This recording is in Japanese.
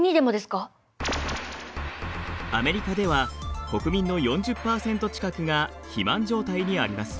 アメリカでは国民の４０％近くが肥満状態にあります。